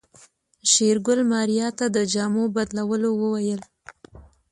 شېرګل ماريا ته د جامو بدلولو وويل.